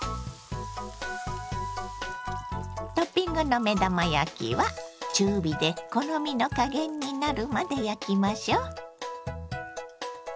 トッピングの目玉焼きは中火で好みの加減になるまで焼きましょ。